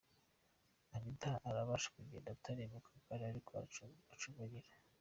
Anita arabasha kugenda atari mu kagare ariko aracumbagira.